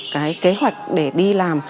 cái kế hoạch để đi làm